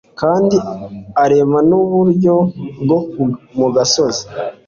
kandi arema n'uburabyo bwo mu gasozi.